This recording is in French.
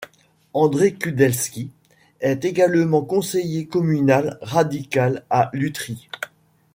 André Kudelski est également conseiller communal radical à Lutry.